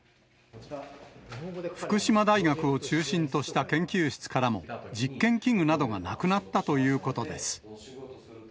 福島大学を中心とした研究室からも、実験器具などがなくなったということです。